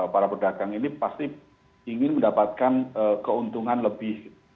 para pedagang ini pasti ingin mendapatkan keuntungan lebih